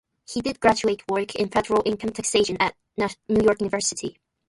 He did graduate work in Federal Income Taxation at New York University.